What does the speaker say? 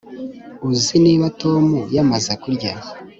Uzi niba Tom yamaze kurya